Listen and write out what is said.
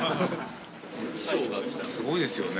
衣装がすごいですよね。